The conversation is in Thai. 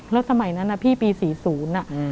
แล้วสมัยนั้นนะพี่ปี๔๐อ่ะ